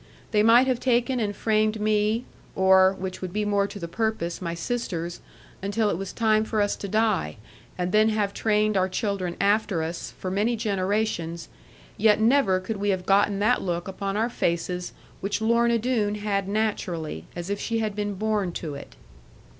They might have taken and framed me, or (which would be more to the purpose) my sisters, until it was time for us to die, and then have trained our children after us, for many generations; yet never could we have gotten that look upon our faces which Lorna Doone had naturally, as if she had been born to it.